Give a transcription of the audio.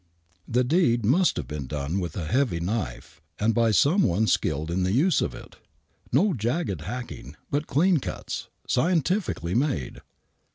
The '^oed must have been done witha heavy knife, and by some one skilled in the use of it — no jagged hacking, but clean cuts, scientifically made.